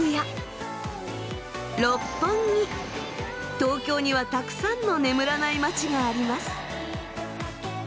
東京にはたくさんの眠らない街があります。